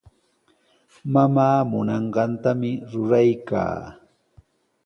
Mamaa munanqantami ruraykaa.